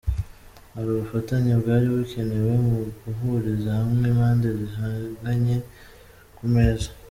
Hari ubufatanye bwari bukenewe mu guhuriza hamwe impande zihanganye ku meza.